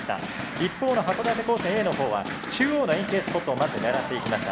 一方の函館高専Ａのほうは中央の円形スポットをまず狙っていきました。